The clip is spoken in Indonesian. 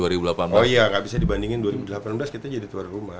oh iya nggak bisa dibandingin dua ribu delapan belas kita jadi tuan rumah